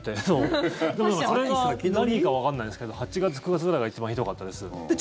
でも、それが何かわからないんですけど８月、９月くらいが一番ひどかったです。